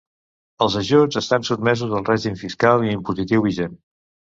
Els ajuts estan sotmesos al règim fiscal i impositiu vigent.